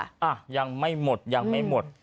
อ่ะยังไม่หมดยังไม่หมด